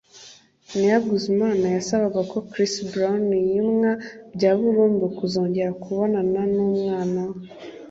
Nia Guzman yasabaga ko Chris Brown yimwa bya burundu kuzongera kubonana n’umwana we